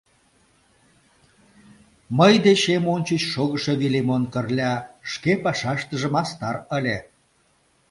Мый дечем ончыч шогышо Вилимон Кырля шке пашаштыже мастар ыле.